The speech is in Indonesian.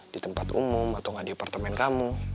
di tempat umum atau nggak di apartemen kamu